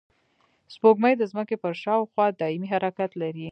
سپوږمۍ د ځمکې پر شاوخوا دایمي حرکت لري